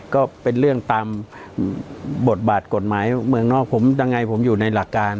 ก็เป็นเรื่องตามบทบาทกฎหมายเมืองนอกผมยังไงผมอยู่ในหลักการ